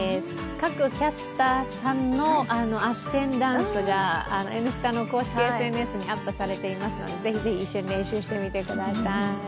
各キャスターさんのあし天ダンスが「Ｎスタ」の公式ＳＮＳにアップされていますのでぜひぜひ一緒に練習してみてください。